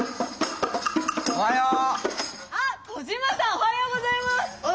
おはようございます！